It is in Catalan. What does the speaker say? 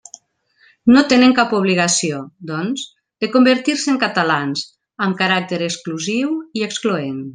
No tenen cap obligació, doncs, de convertir-se en catalans, amb caràcter exclusiu i excloent.